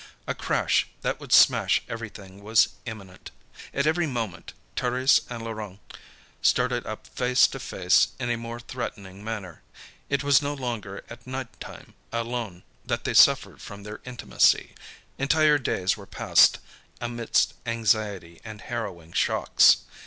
A crash that would smash everything was imminent. At every moment, Thérèse and Laurent started up face to face in a more threatening manner. It was no longer at nighttime, alone, that they suffered from their intimacy; entire days were passed amidst anxiety and harrowing shocks.